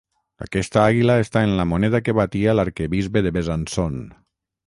Aquesta àguila està en la moneda que batia l'arquebisbe de Besançon.